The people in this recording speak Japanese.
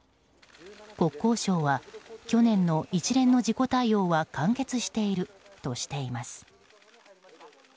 国交省は去年の一連の事故対応は完結しているとしています。